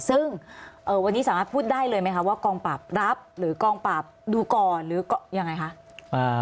ซึ่งวันนี้สามารถพูดได้เลยไหมคะว่ากองปราบรับหรือกองปราบดูก่อนหรือยังไงคะ